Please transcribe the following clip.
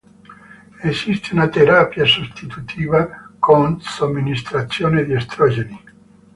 Esiste una terapia sostitutiva con somministrazioni di estrogeni.